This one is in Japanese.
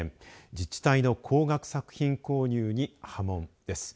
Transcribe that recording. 自治体の高額作品購入に波紋です。